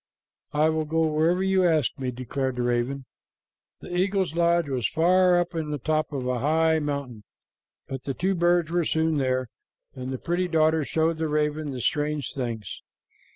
"I will go wherever you ask me," declared the raven. The eagle's lodge was far up on the top of a high mountain, but the two birds were soon there, and the pretty daughter showed the raven the strange things.